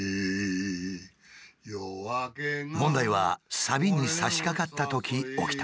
問題はサビにさしかかったとき起きた。